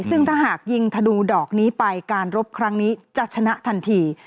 ซึ่งถ้าหากยิงธนูดอกนี้ไปการรบครั้งนี้จะชนะทันที